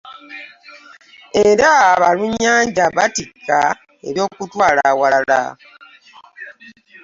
Era abalunnyanja battika ebyokutwala awalala.